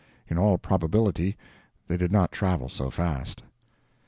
In all probability they did not travel so fast."